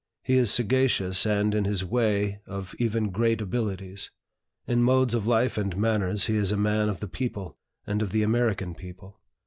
He is sagacious, and, in his way, of even great abilities. In modes of life and manners, he is a man of the people, and of the American people.